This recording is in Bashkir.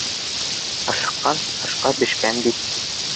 Ашыҡҡан — ашҡа бешкән, бит.